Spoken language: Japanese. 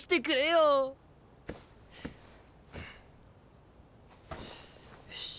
よし。